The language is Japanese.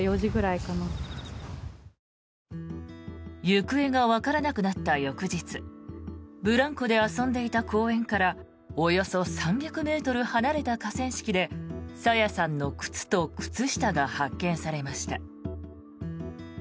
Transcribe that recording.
行方がわからなくなった翌日ブランコで遊んでいた公園からおよそ３００ｍ離れた河川敷で朝芽さんの靴と靴下が発見されました。